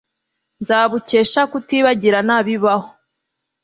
nzabukesha kutibagirana bibaho